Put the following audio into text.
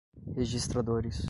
registradores